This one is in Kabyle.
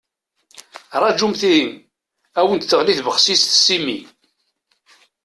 Rajumt ihi, ad awent-d-teɣli tbexsist s imi.